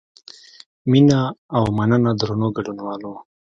مینه او مننه درنو ګډونوالو.